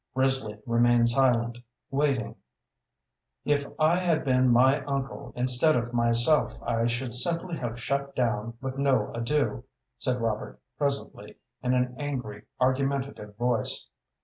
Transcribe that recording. Risley remained silent, waiting. "If I had been my uncle instead of myself I should simply have shut down with no ado," said Robert, presently, in an angry, argumentative voice.